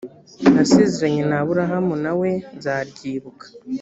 nasezeranye na aburahamu na we nzaryibuka